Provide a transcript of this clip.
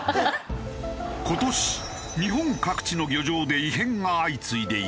今年日本各地の漁場で異変が相次いでいる。